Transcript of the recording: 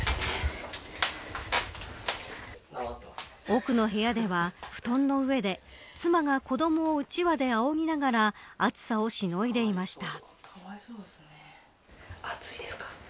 奥の部屋では布団の上で、妻が子どもをうちわであおぎながら暑さをしのいでいました。